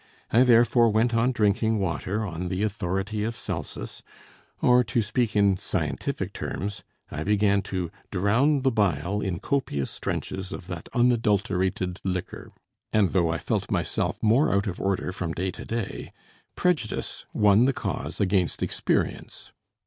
I therefore went on drinking water on the authority of Celsus; or, to speak in scientific terms, I began to drown the bile in copious drenches of that unadulterated liquor; and though I felt my self more out of order from day to day, prejudice won the cause against experience.